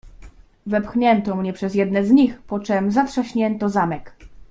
"Wepchnięto mnie przez jedne z nich, poczem zatrzaśnięto zamek."